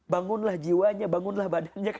bangunlah jiwanya bangunlah badannya